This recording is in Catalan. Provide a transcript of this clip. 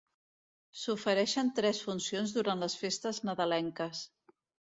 S'ofereixen tres funcions durant les festes nadalenques.